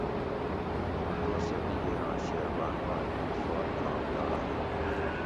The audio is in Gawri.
دی دوسہ دِگیراں شیربانو اۤ اِیں سوال جواب لاڑائے